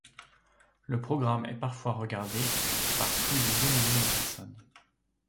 Le programme est parfois regardé par plus de deux millions de personnes.